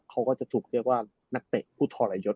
เขาก็จะถูกเรียกว่านักเตะผู้ทรยศ